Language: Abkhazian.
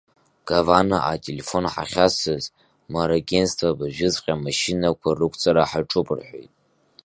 Гаванаҟа ателефон ҳахьасыз, Морагентство абыржәыҵәҟьа амашьынақәа рықәҵара ҳаҿуп рҳәеит.